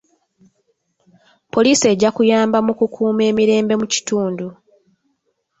Poliisi ejja kuyamba mu kukuuma emirembe mu kitundu.